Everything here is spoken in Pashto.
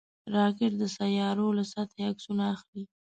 راکټ د سیارویو له سطحې عکسونه اخلي